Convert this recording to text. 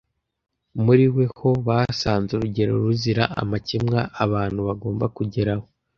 Muri we ni ho basanze urugero ruzira amakemwa abantu bagomba kugeraho.